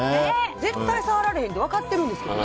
絶対触られへんって分かってるんですけどね。